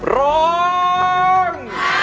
ร้อง